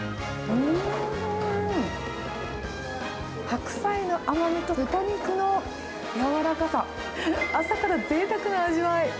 白菜の甘みと豚肉の柔らかさ、朝からぜいたくな味わい。